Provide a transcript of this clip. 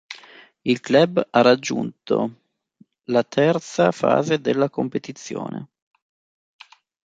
Il club ha raggiunto la terza fase della competizione.